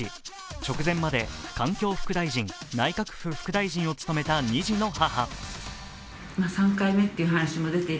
直前まで環境副大臣、内閣府副大臣を務めた２児の母。